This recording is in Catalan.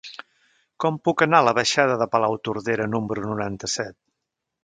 Com puc anar a la baixada de Palautordera número noranta-set?